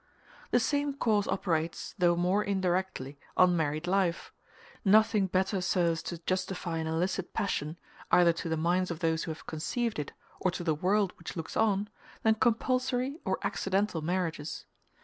The same cause operates, though more indirectly, on married life. Nothing better serves to justify an illicit passion, either to the minds of those who have conceived it or to the world which looks on, than compulsory or accidental marriages.